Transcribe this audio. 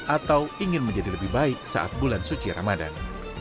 atau ingin menjadi lebih baik saat bulan suci ramadan